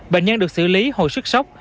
bệnh nhân được xử lý hồi sức sốc